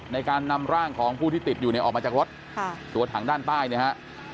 ในการนำร่างของผู้ที่ติดอยู่เนี่ยออกมาจากรถตัวถังด้านใต้เนี่ยฮะ